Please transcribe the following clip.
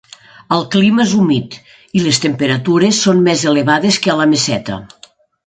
El clima és humit, i les temperatures són més elevades que a la Meseta.